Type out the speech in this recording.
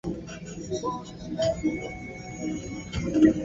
Unga wa mahindi kikombe moja